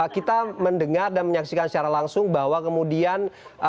kita mendengar dan menyaksikan secara langsung bahwa kemudian